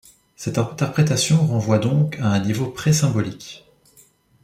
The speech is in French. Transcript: Cette interprétation renvoie donc à un niveau pré-symbolique.